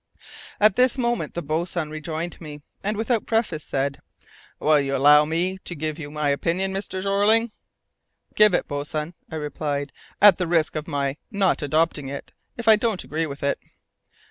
At this moment the boatswain rejoined me, and without preface said: "Will you allow me to give you my opinion, Mr. Jeorling?" "Give it, boatswain," I replied, "at the risk of my not adopting it if I don't agree with it."